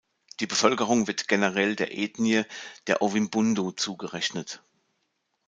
Die Bevölkerung wird generell der Ethnie der Ovimbundu zugerechnet.